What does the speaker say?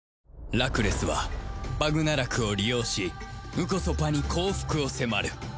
ラクレスはバグナラクを利用しンコソパに降伏を迫る